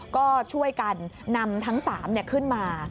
ก็ช่วยกันนำทั้ง๓ขึ้นมา